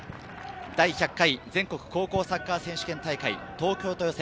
第１００回全国高校サッカー選手権大会、東京都予選。